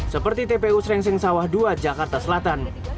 seperti tpu srengseng sawah dua jakarta selatan